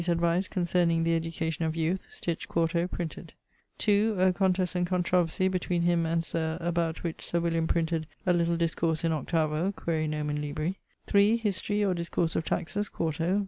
's Advice concerning the Education of Youth, sticht, 4to, printed. 2. [A contest and controversie between him and Sir ...: about which Sir William printed a little discourse in 8vo: quaere nomen libri.] 3. Historie or Discourse of Taxes, 4to.